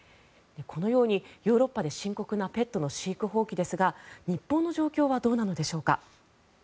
このようにヨーロッパで深刻なペットの飼育放棄ですが日本の状況はどうなのでしょうか。